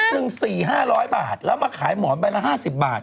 แพ็คนึง๔๐๐๕๐๐บาทแล้วมักขายหมอนมันเป็นละ๕๐บาท